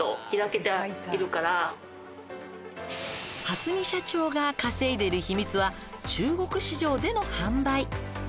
「羽澄社長が稼いでいる秘密は中国市場での販売」